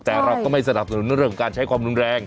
แต่เราก็ไม่สนับสนุนเรื่องการใช้ความรุนแรง